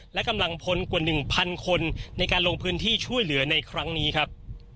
และกำลังพลกว่า๑๐๐คนในการลงพื้นที่ช่วยเหลือในครั้งนี้ครับ